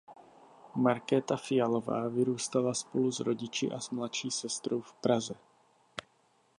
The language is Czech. Markéta Fialová vyrůstala spolu s rodiči a s mladší sestrou v Praze.